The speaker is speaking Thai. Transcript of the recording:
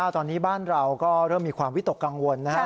ตอนนี้บ้านเราก็เริ่มมีความวิตกกังวลนะครับ